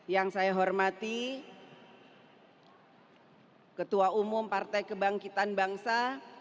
yang saya hormati ketua umum partai kebangkitan bangsa